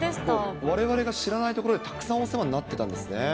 われわれの知らないところでたくさんお世話になってたんですね。